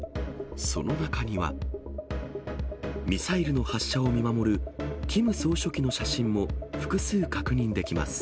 その中には、ミサイルの発射を見守るキム総書記の写真も複数確認できます。